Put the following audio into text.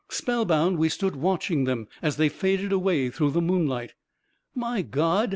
Spell bound, we stood watching them as they faded away through the moonlight. " My God